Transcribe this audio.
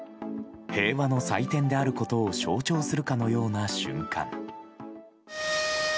平和の祭典であることを象徴するかのような瞬間。